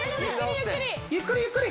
ゆっくりゆっくり。